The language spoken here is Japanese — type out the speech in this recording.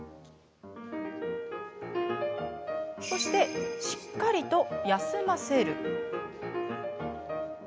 そして、しっかりと休ませる。